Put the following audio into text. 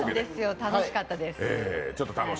楽しかったです。